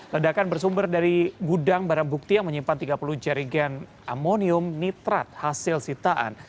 ledakan bersumber dari gudang barang bukti yang menyimpan tiga puluh jerigen amonium nitrat hasil sitaan